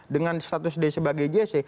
dengan status d sebagai jc